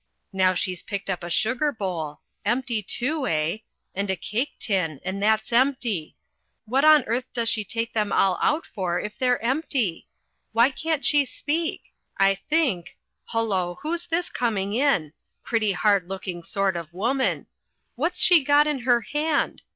Now she's picked up a sugar bowl empty, too, eh? and a cake tin, and that's empty What on earth does she take them all out for if they're empty? Why can't she speak? I think hullo who's this coming in? Pretty hard looking sort of woman what's she got in her hand?